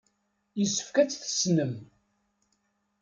Yessefk ad tt-tessnem.